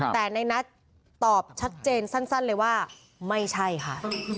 แต่ในนัทตอบชัดเจนสั้นเลยว่าไม่ใช่ค่ะ